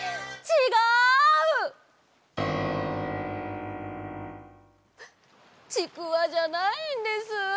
ちくわじゃないんです。